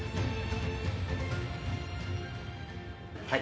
はい。